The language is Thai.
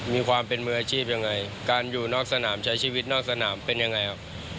มีความเป็นมืออาชีพยังไงการอยู่นอกสนามใช้ชีวิตนอกสนามเป็นยังไงครับ